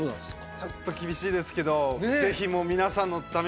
ちょっと厳しいですけどぜひ皆さんのために。